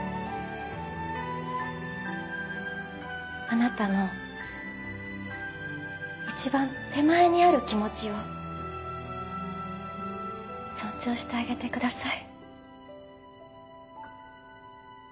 あなたの一番手前にある気持ちを尊重してあげてください。